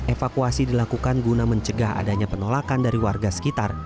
evakuasi dilakukan guna mencegah adanya penolakan dari warga sekitar